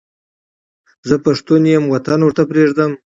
زه پښتون یم وطن ورته پرېږدم.